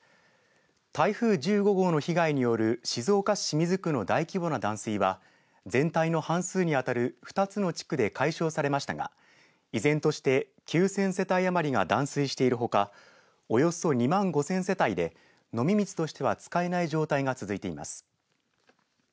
台風１５号の被害による静岡市清水区の大規模な断水は全体の半数に当たる２つの地区で解消されましたが依然として９０００世帯余りが断水しているほかおよそ２万５０００世帯で飲み水としては使えない状態が続いています。